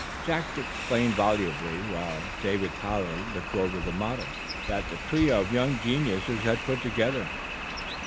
Jack explained volubly, while David Pollard looked over the model that the trio of young geniuses had put together.